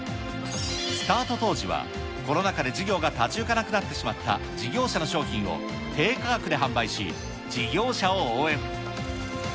スタート当時は、コロナ禍で事業が立ち行かなくなってしまった事業者の商品を低価格で販売し、事業者を応援。